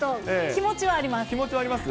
気持ちはあります？